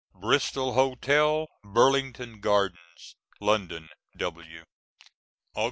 BRISTOL HOTEL, BURLINGTON GARDENS, LONDON, W. Aug.